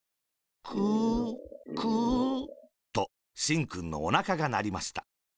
「クー、クー。」と、しんくんのおなかがなりました。